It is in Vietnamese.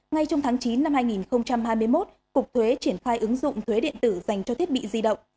ngay trong tháng chín năm hai nghìn hai mươi một cục thuế triển khai ứng dụng thuế điện tử dành cho thiết bị di động